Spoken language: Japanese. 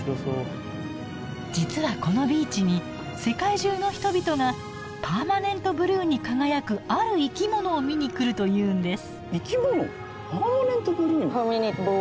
実はこのビーチに世界中の人々がパーマネントブルーに輝くある生き物を見に来るというんです。